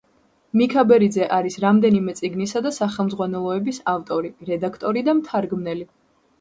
მიქაბერიძე არის რამდენიმე წიგნისა და სახელმძღვანელოების ავტორი, რედაქტორი და მთარგმნელი.